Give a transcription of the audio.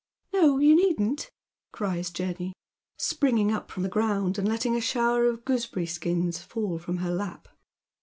" No, you needn't," cries Jenny, springing up fi om the ground and letting a shower of gooseberry skins fall fi om her lap.